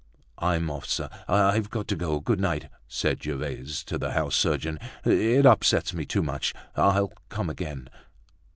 "I'm off, sir. I've got to go. Good night!" said Gervaise to the house surgeon. "It upsets me too much; I'll come again."